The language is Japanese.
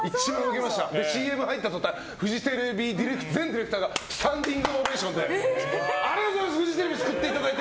ＣＭ入った途端フジテレビ全ディレクターがスタンディングオベーションでありがとうございます救っていただいて！